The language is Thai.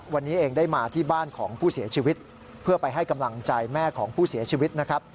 วันนี้เองได้มาที่บ้านของผู้เสียชีวิตเพื่อไปให้กำลังใจแม่ของผู้เสียชีวิตนะครับ